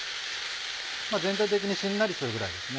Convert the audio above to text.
全体的にしんなりするぐらいですね。